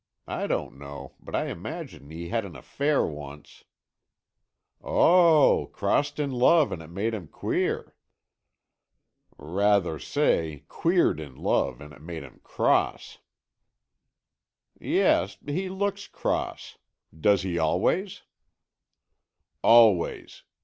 I don't know, but I imagine he had an affair once...." "Oh, crossed in love and it made him queer." "Rather say, queered in love and it made him cross." "Yes, he looks cross. Does he always?" "Always.